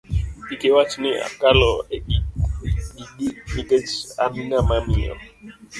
Kik iwachi ni akalo e gigi nikech an ng'ama miyo.